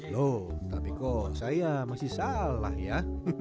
loh tapi kok saya masih salah ya